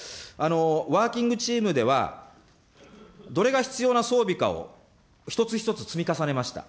ワーキングチームでは、どれが必要な装備かを一つ一つ積み重ねました。